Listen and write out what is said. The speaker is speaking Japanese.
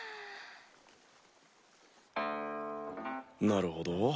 なるほど。